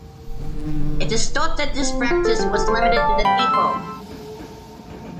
It is thought that this practice was limited to the Depot.